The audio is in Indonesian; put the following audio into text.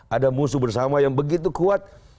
ada musuh bersama yang begitu kuat